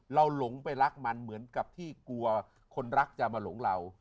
หลงไปรักมันเหมือนกับที่กลัวคนรักจะมาหลงเรา